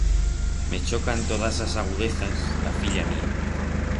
Me chocan todas as agudezas d'a filla mía.